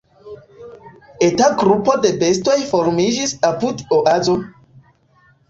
Eta grupo de bestoj formiĝis apud Oazo: